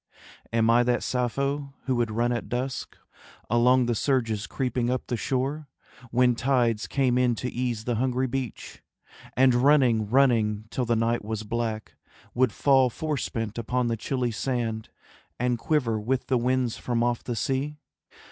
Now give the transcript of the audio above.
Am I that Sappho who would run at dusk Along the surges creeping up the shore When tides came in to ease the hungry beach, And running, running, till the night was black, Would fall forespent upon the chilly sand And quiver with the winds from off the sea?